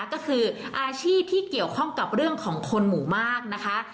ก็คืออาชีพที่เกี่ยวข้องกับเรื่องของคนหมู่มากนะคะ